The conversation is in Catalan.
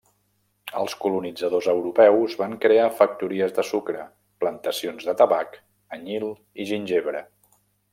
Els colonitzadors europeus van crear factories de sucre, plantacions de tabac, anyil i gingebre.